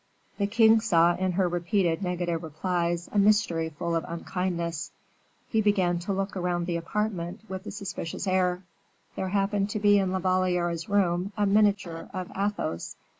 The king saw in her repeated negative replies a mystery full of unkindness; he began to look round the apartment with a suspicious air. There happened to be in La Valliere's room a miniature of Athos.